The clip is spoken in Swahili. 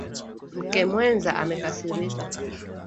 Mke mwenza amekasirika.